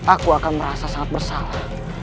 aku akan merasa sangat bersalah